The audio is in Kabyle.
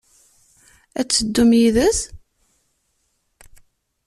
Ad teddum yid-s?